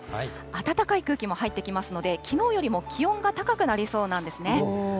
暖かい空気も入ってきますので、きのうよりも気温が高くなりそうなんですね。